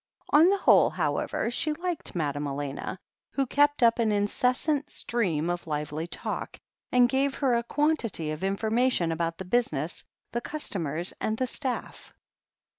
On the whole, however, she liked Madame Elena, who kept up an incessant stream of lively talk, and gave her a quantity of information about the business, the customers and the staff.